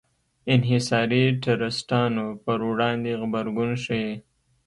انحصاري ټرستانو پر وړاندې غبرګون ښيي.